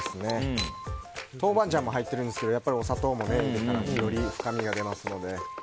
豆板醤も入っているんですけどやっぱりお砂糖も入れたらより深みが出ますので。